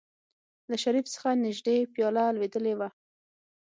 له شريف څخه نژدې پياله لوېدلې وه.